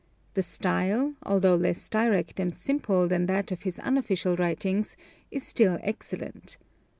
The style, although less direct and simple than that of his unofficial writings, is still excellent.